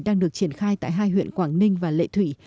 đang được triển khai tại hai huyện quảng ninh và lệ thủy